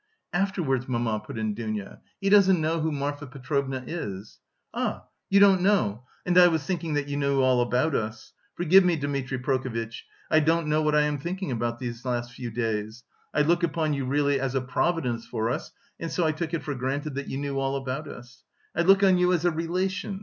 "Afterwards, mamma," put in Dounia. "He doesn't know who Marfa Petrovna is." "Ah, you don't know? And I was thinking that you knew all about us. Forgive me, Dmitri Prokofitch, I don't know what I am thinking about these last few days. I look upon you really as a providence for us, and so I took it for granted that you knew all about us. I look on you as a relation....